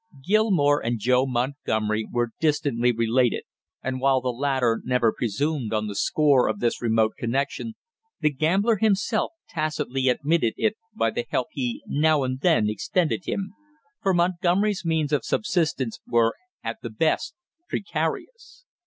Gilmore and Joe Montgomery were distantly related, and while the latter never presumed on the score of this remote connection, the gambler himself tacitly admitted it by the help he now and then extended him, for Montgomery's means of subsistence were at the best precarious.